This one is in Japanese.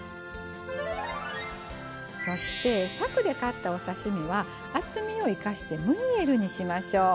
そしてさくで買ったお刺身は厚みを生かしてムニエルにしましょう。